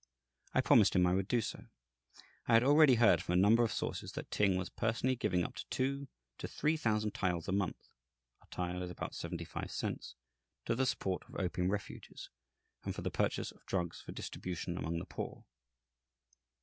I promised him I would do so. I had already heard from a number of sources that Ting was personally giving two to three thousand taels a month (a tael is about seventy five cents) to the support of opium refuges and for the purchase of drugs for distribution among the poor.